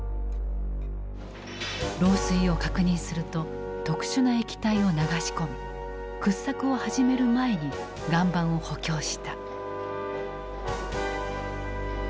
漏水を確認すると特殊な液体を流し込み掘削を始める前に岩盤を補強した。